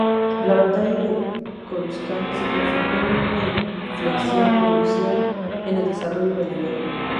La batalla de Coruscant significó una inflexión crucial en el desarrollo de la guerra.